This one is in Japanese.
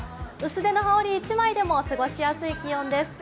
薄手の羽織１枚でも過ごしやすい気温です。